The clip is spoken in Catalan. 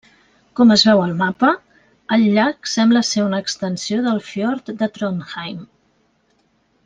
Com es veu al mapa, el llac sembla ser una extensió del fiord de Trondheim.